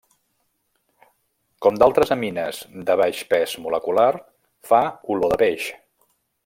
Com d'altres amines de baix pes molecular, fa olor de peix.